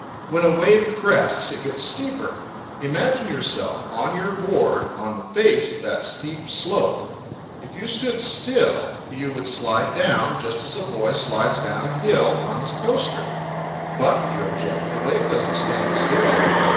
When a wave crests, it gets steeper. Imagine yourself, on your hoard, on the face of that steep slope. If it stood still, you would slide down just as a boy slides down a hill on his coaster. "But," you object, "the wave doesn't stand still."